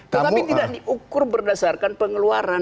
tetapi tidak diukur berdasarkan pengeluaran